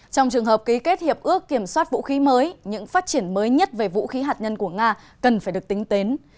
trong trường hợp ký kết hiệp ước kiểm soát vũ khí mới những phát triển mới nhất về vũ khí hạt nhân của nga cần phải được tính tến